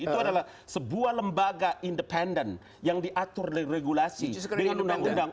itu adalah sebuah lembaga independen yang diatur regulasi dengan undang undang